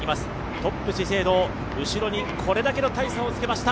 トップ資生堂、後ろにこれだけの大差をつけました。